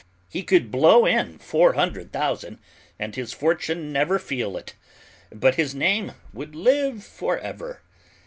He could blow in four hundred thousand and his fortune never feel it, but his name would live forever.